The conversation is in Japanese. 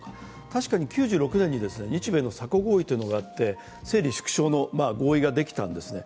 確かに９６年に日米のＳＡＣＯ合意というのがあって整理縮小の合意ができたんですね。